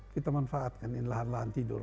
kita manfaatkan ini lahan lahan tidur